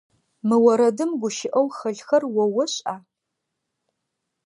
Мы орэдым гущыӏэу хэлъхэр о ошӏа?